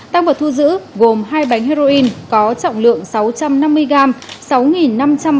tăng vật thu giữ gồm hai bánh heroin có trọng lượng sáu trăm năm mươi gram